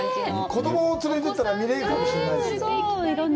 子供を連れていったら、見れるかもしれないです。